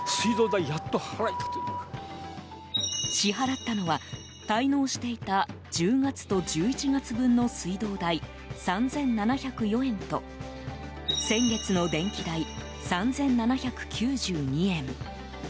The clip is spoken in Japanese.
支払ったのは、滞納していた１０月と１１月分の水道代３７０４円と先月の電気代、３７９２円。